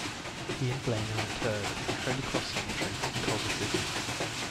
He and Blane are interred in Holy Cross Cemetery, Culver City.